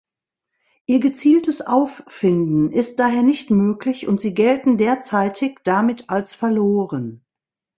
Ihr gezieltes Auffinden ist daher nicht möglich und sie gelten derzeitig damit als verloren.